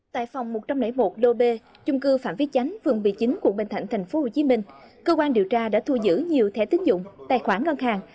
tại phòng một trăm linh một lô bê chung cư phạm vi chánh vườn bị chính của bình thạnh tp hcm cơ quan điều tra đã thu giữ nhiều thẻ tín dụng tài khoản ngân hàng